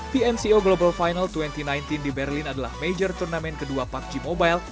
pmco global final dua ribu sembilan belas di berlin adalah major turnamen kedua pubg mobile